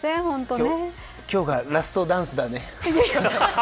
今日がラストダンスだね。